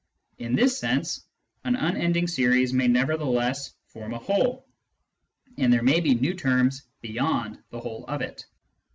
In this sense, an unending series may nevertheless form a whole, and there may be new terms beyond the whole of it.